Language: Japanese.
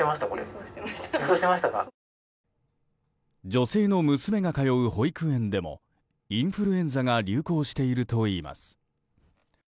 女性の娘が通う保育園でもインフルエンザが流行しているといいます。